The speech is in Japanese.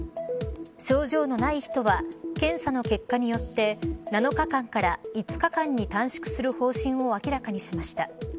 症状のない人は検査の結果によって、７日間から５日間に短縮する方針を明らかにしました。